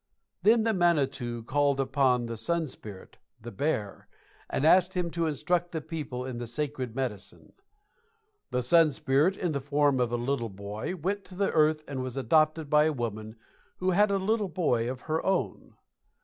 Then the Manitou called upon the Sun Spirit (the Bear) and asked him to instruct the people in the Sacred Medicine. The Sun Spirit, in the form of a little boy, went to the earth and was adopted by a woman who had a little boy of her own.